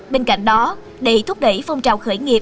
bên cạnh đó để thúc đẩy phong trào khởi nghiệp